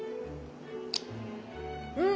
うん！